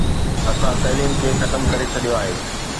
اسان تعليم کي ختم ڪري ڇڏيو آهي.